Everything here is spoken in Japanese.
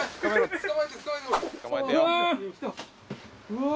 うわ